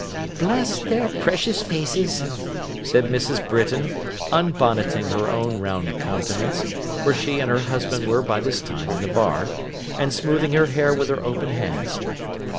'Bless their precious faces!' said Mrs. Britain, unbonneting her own round countenance (for she and her husband were by this time in the bar), and smoothing her hair with her open hands.